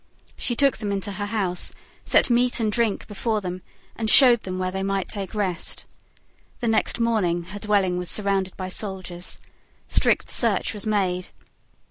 She took them into her house, set meat and drink before them, and showed them where they might take rest. The next morning her dwelling was surrounded by soldiers. Strict search was made.